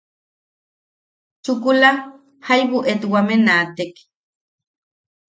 Chukula jaibu etwame naatek.